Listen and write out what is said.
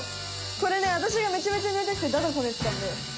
これねわたしがめちゃめちゃやりたくてだだこねてたんだよ。